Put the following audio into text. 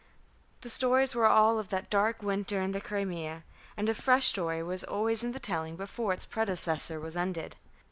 The stories were all of that dark winter in the Crimea, and a fresh story was always in the telling before its predecessor was ended.